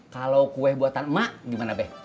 kalau kue buatan emak gimana bek